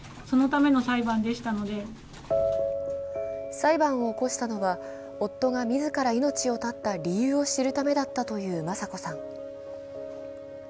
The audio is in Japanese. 裁判を起こしたのは、夫が自ら命を絶った理由を知るためだったという雅子さん。